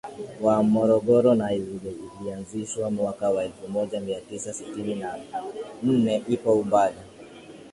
wa Morogoro na ilianzishwa mwaka wa elfu moja mia tisa sitini na nneIpo umbali